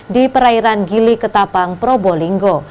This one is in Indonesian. di perairan gili ketapang probolinggo